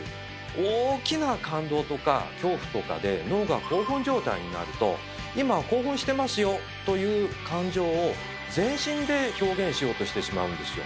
大きな「感動」とか「恐怖」とかで脳が興奮状態になると「今興奮してますよ」という感情を全身で表現しようとしてしまうんですよ。